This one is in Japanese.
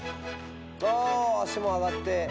あ足も上がって。